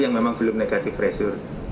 yang memang belum negatif pressure